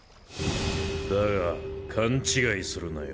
だが勘違いするなよ